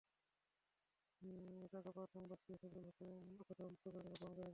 টাকা পাওয়ার সংবাদ পেয়ে ফজলুল হককে অক্ষতভাবে মুক্ত করে দেন অপহরণকারীরা।